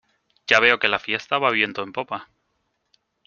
ya veo que la fiesta va viento en popa.